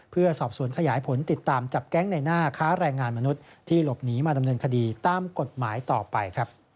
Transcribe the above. เพื่อสอบสวนขยายผลติดตามจับแก๊งในหน้าค้าแรงงานมนุษย์ที่หลบหนีมาดำเนินคดีตามกฎหมายต่อไป